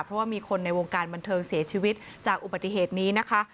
เพราะว่ามีคนในวงการบันเทิงเสียชีวิตจากอุบัติเหตุนี้นะคะ